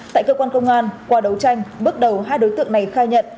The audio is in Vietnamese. tại cơ quan công an qua đấu tranh bước đầu hai đối tượng này khai nhận